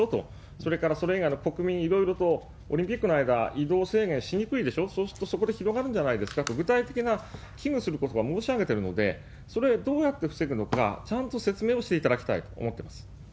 それからそれ以外の国民、いろいろとオリンピックの間、移動制限しにくいでしょう、そうすると、そこで広がるんじゃないですかと、具体的な危惧することは申し上げてるので、それ、どうやって防ぐのか、ちゃんと説明をしていただきたいと思ってます。